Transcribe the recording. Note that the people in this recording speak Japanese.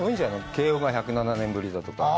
慶応が１０７年ぶりだとか。